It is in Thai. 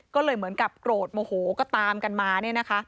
ก็เลยเหมือนกับโกรธโมโหก็ตามกันมา